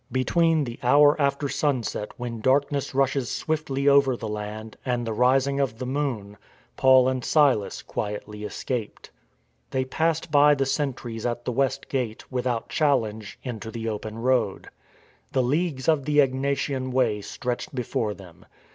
'^ Between the hour after sunset when darkness rushes swiftly over the land, and the rising of the moon, Paul and Silas quietly escaped. They passed by the sentries at the west gate, without challenge, into the open road. The leagues of the Egnatian Way stretched before them.